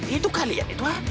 itu kalian itu ha